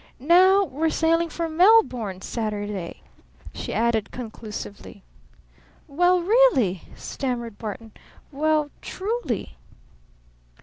Now ? We're sailing for Melbourne Saturday!" she added conclusively. "Well really!" stammered Barton. "Well truly!